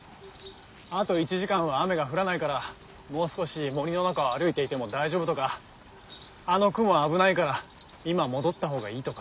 あと１時間は雨が降らないからもう少し森の中を歩いていても大丈夫とかあの雲は危ないから今戻った方がいいとか。